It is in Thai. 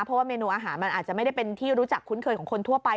เพราะว่าเมนูอาหารมันอาจจะไม่ได้เป็นที่รู้จักคุ้นเคยของคนทั่วไป